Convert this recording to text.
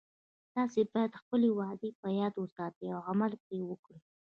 تاسې باید خپلې وعدې په یاد وساتئ او عمل پری وکړئ